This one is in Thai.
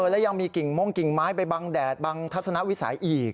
และยังมีกิ่งม่งกิ่งไม้ไปบังแดดบังทัศนวิสัยอีก